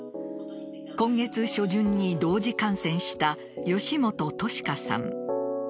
今月初旬に同時感染した善本考香さん。